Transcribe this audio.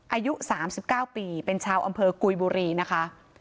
อายุ๓๙ปีเป็นชาวอำเภอกุยบุรีนะคะ